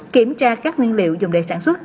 kiểm tra các nguyên liệu dùng để sản xuất